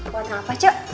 warna apa cek